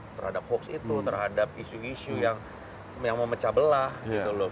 terhadap hoax itu terhadap isu isu yang memecah belah gitu loh